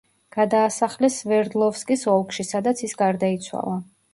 გადაასახლეს სვერდლოვსკის ოლქში, სადაც ის გარდაიცვალა.